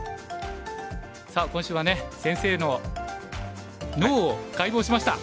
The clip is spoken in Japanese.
さあ今週はね先生の脳を解剖しました！